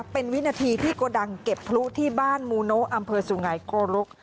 เป็นวินาทีที่โกดังเก็บพลุที่บ้านมูโนอำเภอสุงัยโกรุก